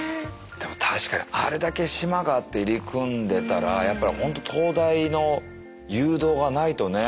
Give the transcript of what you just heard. でも確かにあれだけ島があって入り組んでたらホント灯台の誘導がないとね。